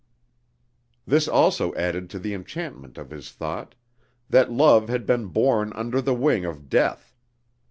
This also added to the enchantment of his thought: that love had been born under the wing of death.